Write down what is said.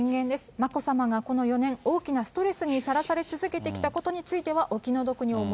眞子さまがこの４年、大きなストレスにさらされ続けてきたことについてはお気の毒に思